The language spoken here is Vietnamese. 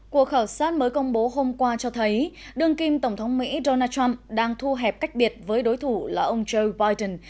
cuộc khảo sát mới công bố hôm qua cho thấy đương kim tổng thống mỹ donald trump đang thu hẹp cách biệt với đối thủ là ông joe biden